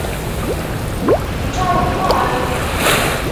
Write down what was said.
Yečča ṛemṭan?